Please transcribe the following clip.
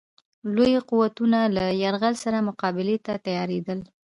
لوی قوتونه له یرغلګر سره مقابلې ته تیارېدل.